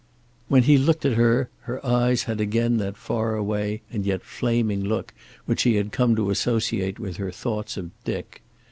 When he looked at her her eyes had again that faraway and yet flaming look which he had come to associate with her thoughts of Dick.